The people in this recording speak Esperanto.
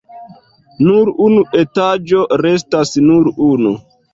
Nur unu etaĝo restas! Nur unu.